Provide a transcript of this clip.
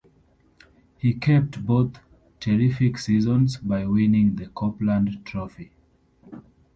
He capped both terrific seasons by winning the Copeland Trophy.